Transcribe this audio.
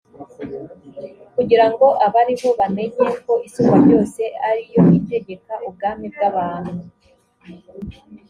kugira ngo abariho bamenye ko isumbabyose ari yo itegeka ubwami bw abantu